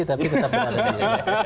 tapi tetap berada di indonesia